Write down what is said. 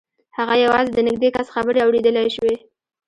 هغه یوازې د نږدې کس خبرې اورېدلای شوې